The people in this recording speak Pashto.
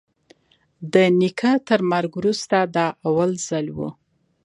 د نيکه تر مرگ وروسته دا اول ځل و.